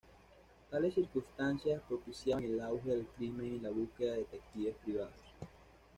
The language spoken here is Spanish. Tales circunstancias propiciaban el auge del crimen y la búsqueda de detectives privados.